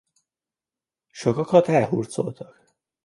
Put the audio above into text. Sokakat elhurcoltak.